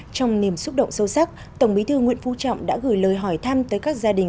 trong niềm xúc động sâu sắc tổng bí thư nguyễn phú trọng đã gửi lời hỏi thăm tới các gia đình